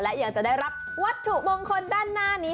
และยังจะได้รับวัตถุมงคลด้านหน้านี้